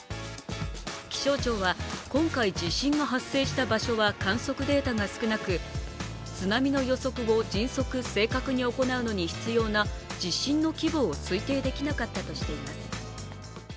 気象庁は今回地震が発生した場所は観測データが少なく、津波の予測を迅速、正確に行うのに必要な地震の規模を推定できなかったとしています。